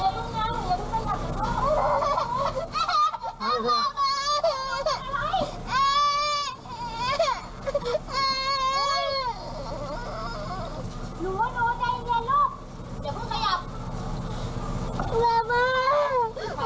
ก็มีจากเธออาจถาดคะเพื่อนของเรา